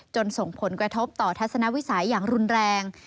ส่งผลกระทบต่อทัศนวิสัยอย่างรุนแรง